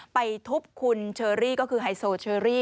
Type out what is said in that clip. ไปทุบคุณเชอรี่ก็คือไฮโซเชอรี่